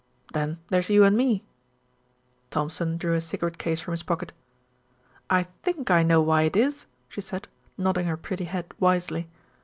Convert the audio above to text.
Then there's you and me." Thompson drew a cigarette case from his pocket. "I think I know why it is," she said, nodding her pretty head wisely.